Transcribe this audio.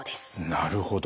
なるほど。